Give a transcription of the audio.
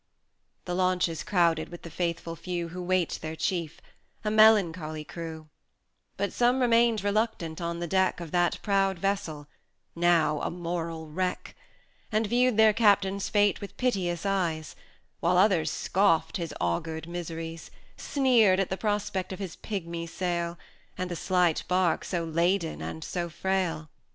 VII. The launch is crowded with the faithful few Who wait their Chief, a melancholy crew: But some remained reluctant on the deck Of that proud vessel now a moral wreck And viewed their Captain's fate with piteous eyes; While others scoffed his augured miseries, 130 Sneered at the prospect of his pigmy sail, And the slight bark so laden and so frail.